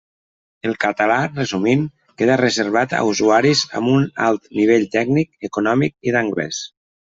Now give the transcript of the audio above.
El català, resumint, queda reservat a usuaris amb un alt nivell tècnic, econòmic i d'anglès.